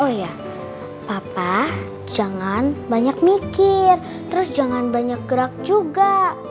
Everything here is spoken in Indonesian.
oh ya papa jangan banyak mikir terus jangan banyak gerak juga